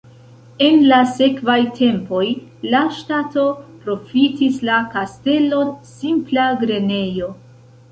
En la sekvaj tempoj la ŝtato profitis la kastelon simpla grenejo.